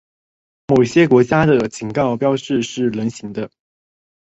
某些国家的警告标志是菱形的。